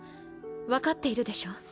分かっているでしょ？